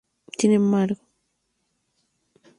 Sin embargo, Jartum finalmente cayó, y fue asesinado.